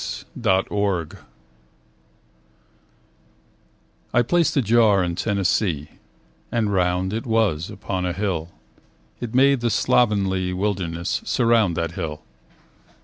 pdf I placed a jar in Tennessee, And round it was, upon a hill. It made the slovenly wilderness Surround that hill.